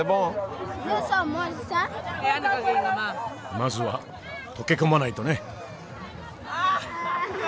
まずは溶け込まないとね。